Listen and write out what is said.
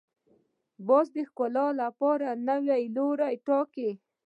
باز د ښکار لپاره نوی لوری ټاکي